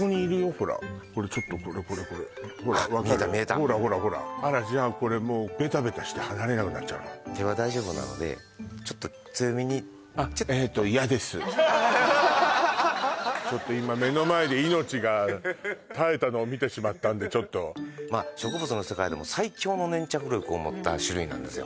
ほらこれちょっとこれこれこれあっ見えた見えたほらほらほらあらじゃあこれもう手は大丈夫なのでちょっと強めにちょっと今目の前で命が絶えたのを見てしまったんでまあ植物の世界でも最強の粘着力を持った種類なんですよ